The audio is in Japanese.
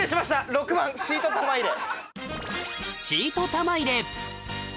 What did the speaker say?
６番シート玉入れ。